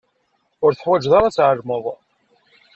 Ur teḥwaǧeḍ ara ad tɛelmeḍ.